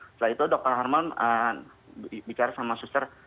setelah itu dokter harmon bicara sama suter